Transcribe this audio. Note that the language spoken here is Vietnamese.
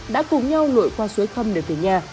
đã cùng nhau lội qua suối khâm để về nhà